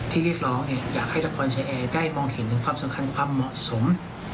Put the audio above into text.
เรียกร้องอยากให้ทุกคนเชียร์แอร์ได้มองเห็นถึงความสำคัญความเหมาะสม